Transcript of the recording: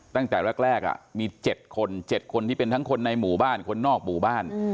ตั้งแต่แรกมี๗คน๗คนที่เป็นทั้งคนในหมู่บ้านคนนอกหมู่บ้าน